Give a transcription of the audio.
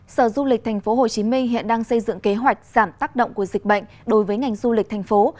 sở du lịch tp hcm hiện đang xây dựng kế hoạch giảm tác động của dịch bệnh đối với ngành du lịch thành phố